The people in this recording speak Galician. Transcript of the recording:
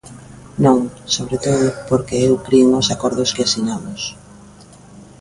Non, sobre todo porque eu crin os acordos que asinamos.